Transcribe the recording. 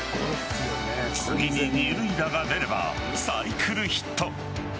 次に二塁打が出ればサイクルヒット。